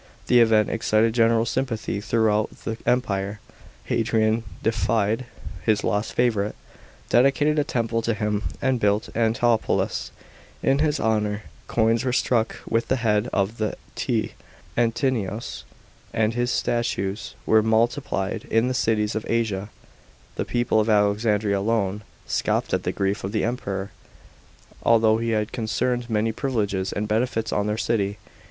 The event excited general sympathy throughout the Empire. Hadrian deified his lost favourite, dedicated a temple to him, and built Antinoopolis in his honour. Coins were struck with the head of the " TT< n> Antinous," and his statues were multi * See Chap. XXX. $ 27. 508 THE PRINC1PATE OF HADRIAN. CHAP, xxvi plied in the cities of Asia. The people of Alexandria alone scoffed at the grief of the Emperor, although he had conferred many privileges and benefits on their city.